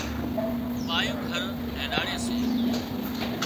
ٻايُون گھر هينڏاڙي سي